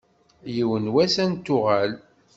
Yiwen n wass ad n-tuɣal.